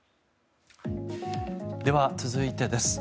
では、続いてです。